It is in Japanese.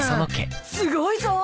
すごいぞ。